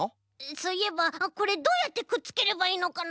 そういえばこれどうやってくっつければいいのかな？